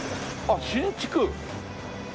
あっ新築！